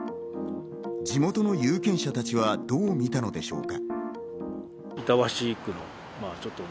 地元の有権者たちはどう見たのでしょうか。